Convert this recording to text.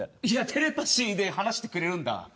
いやテレパシーで話してくれるんだ。